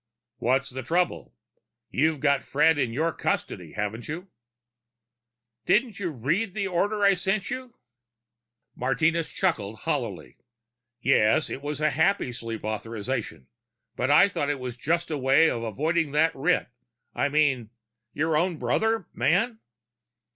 "What's the trouble? You've got Fred in your custody, haven't you?" "Didn't you read the order I sent you?" Martinez chuckled hollowly. "Well, yes it was a Happysleep authorization. But I thought it was just a way of avoiding that writ ... I mean ... your own brother, man?"